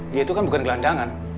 dia itu kan bukan gelandangan